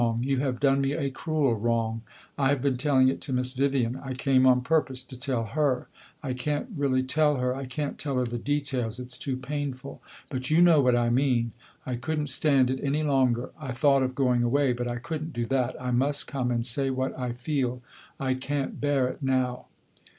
"You have done me a great wrong you have done me a cruel wrong! I have been telling it to Miss Vivian; I came on purpose to tell her. I can't really tell her; I can't tell her the details; it 's too painful! But you know what I mean! I could n't stand it any longer. I thought of going away but I could n't do that. I must come and say what I feel. I can't bear it now."